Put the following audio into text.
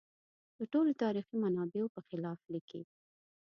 د ټولو تاریخي منابعو په خلاف لیکي.